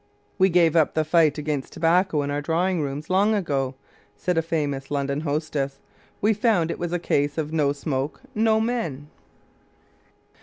"We gave up the fight against tobacco in our drawing rooms long ago," said a famous London hostess. "We found it was a case of no smoke, no men."